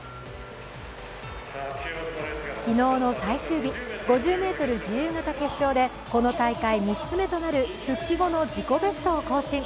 昨日の最終日、５０ｍ自由形決勝でこの大会３つ目となる復帰後の自己ベストを更新。